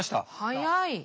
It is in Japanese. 早い。